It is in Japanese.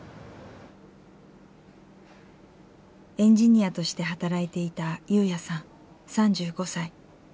エンジニアとして働いていた優也さん３５歳。